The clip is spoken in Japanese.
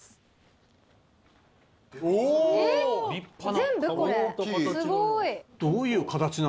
立派な。